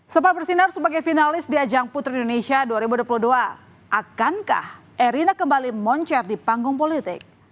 sempat bersinar sebagai finalis di ajang putri indonesia dua ribu dua puluh dua akankah erina kembali moncer di panggung politik